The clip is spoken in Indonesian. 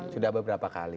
sudah beberapa kali